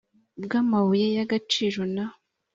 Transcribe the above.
bw amabuye y agaciro na